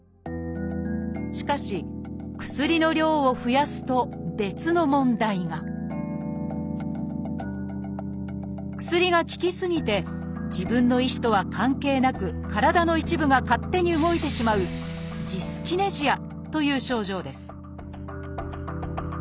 しかし薬の量を増やすと別の問題が薬が効き過ぎて自分の意思とは関係なく体の一部が勝手に動いてしまう「ジスキネジア」という症状です